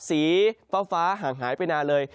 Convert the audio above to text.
สีฟ้าห่างหายไปนานเลย